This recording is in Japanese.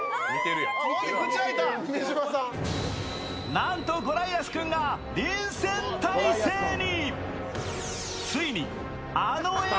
なんと、ゴライアス君が臨戦態勢に！